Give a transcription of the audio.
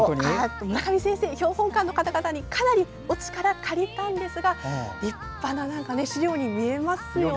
村上先生や標本館の方々にかなりお力を借りたんですが立派な資料に見えますよね。